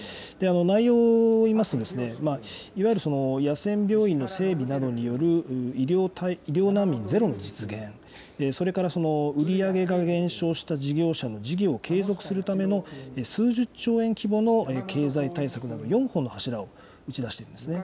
内容を見ますと、いわゆる、野戦病院の整備などによる医療難民ゼロの実現、それから売り上げが減少した事業者の事業を継続するための数十兆円規模の経済対策など４本の柱を打ち出していますね。